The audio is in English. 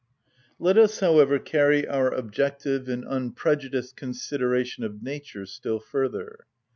Let us, however, carry our objective and unprejudiced consideration of nature still further.